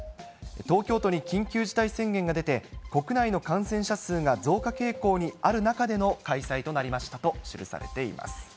東京都に緊急事態宣言が出て、国内の感染者数が増加傾向にある中での開催となりましたと記されています。